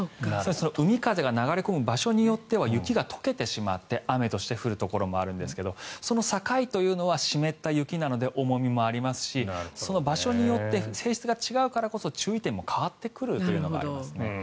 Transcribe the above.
海風が流れ込む場所によっては雪が解けてしまって雨として降るところもあるんですがその境というのは湿った雪なので重みもありますしその場所によって性質が違うからこそ注意点も変わってくるというのがあります。